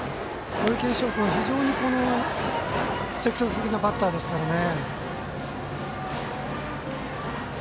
土井研照君は非常に積極的なバッターですからね。